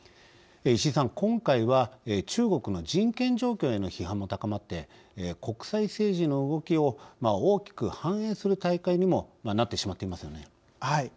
石井さん、今回は中国の人権状況への批判も高まって国際政治の動きを大きく反映する大会にもなってしまっていますね。